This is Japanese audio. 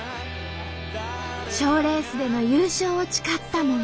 賞レースでの優勝を誓ったもも。